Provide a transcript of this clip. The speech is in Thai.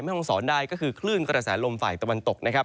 ห้องสอนได้ก็คือคลื่นกระแสลมฝ่ายตะวันตกนะครับ